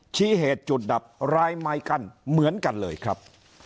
ชี้เหตุจุดดับร้ายไม้กั้นเหมือนกันเลยครับ